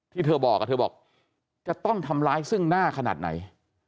ที่เธอบอกเธอบอกจะต้องทำร้ายซึ่งหน้าขนาดไหน